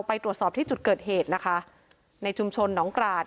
ไปตรวจสอบที่จุดเกิดเหตุนะคะในชุมชนหนองกราศ